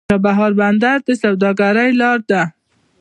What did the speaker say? چابهار بندر د سوداګرۍ لار ده.